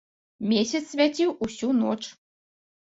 Месяц свяціў усю ноч.